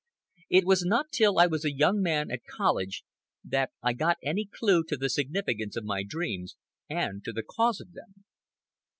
It was not till I was a young man, at college, that I got any clew to the significance of my dreams, and to the cause of them.